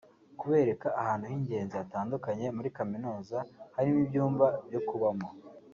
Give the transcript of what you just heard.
kubereka ahantu h’ingezi hatandukanye muri kaminuza harimo ibyumba byo kubamo